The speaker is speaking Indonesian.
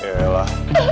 ya ya lah